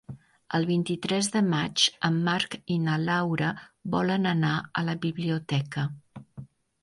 El vint-i-tres de maig en Marc i na Laura volen anar a la biblioteca.